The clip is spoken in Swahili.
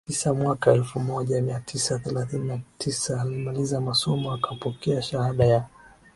tisa Mwaka elfu moja mia tisa thelathini na tisa alimaliza masomo akapokea shahada ya